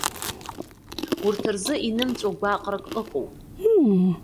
Урҭ рзы инымҵәо гәаҟрак ыҟоуп.